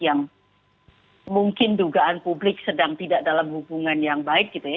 yang mungkin dugaan publik sedang tidak dalam hubungan yang baik gitu ya